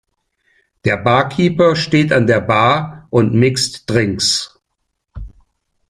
Der Barkeeper steht an der Bar und mixt Drinks.